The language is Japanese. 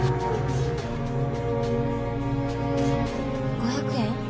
５００円？